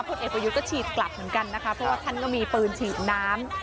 เอกประยุทธ์ก็ฉีดกลับเหมือนกันนะคะเพราะว่าท่านก็มีปืนฉีดน้ำ